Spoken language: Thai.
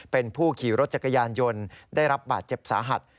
เป็นผู้ขี่รถจักรยานยนต์ได้รับบาดเจ็บสาหัส